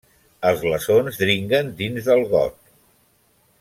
Els glaçons dringuen dins del got.